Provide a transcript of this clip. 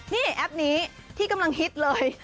นี่แอปนี้ที่กำลังฮิตเลย